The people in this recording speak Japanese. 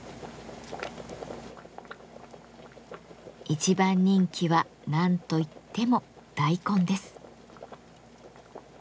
一番人気は何といっても大根です。